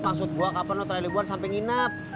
maksud gua kapan lo terakhir liburan sampe nginep